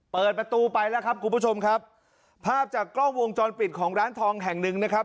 เปิดประตูไปแล้วครับคุณผู้ชมครับภาพจากกล้องวงจรปิดของร้านทองแห่งหนึ่งนะครับ